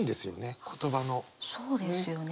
そうですよね。